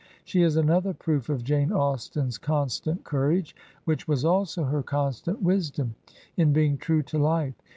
She is another proof of Jane Austen's constant courage, which was also her constant wisdom, in being true to life.